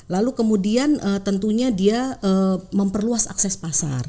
lalu kemudian tentunya dia memperluas akses pasar